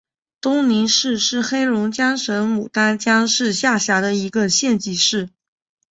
东宁市是黑龙江省牡丹江市下辖的一个县级市。